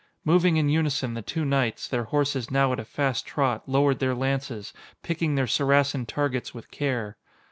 Moving in unison, the two knights, their horses now at a fast trot, lowered their lances, picking their Saracen targets with care.